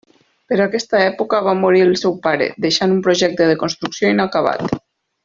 Per aquesta època va morir el seu pare, deixant un projecte de construcció inacabat.